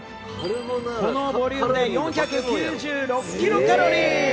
このボリュームで４９６キロカロリー！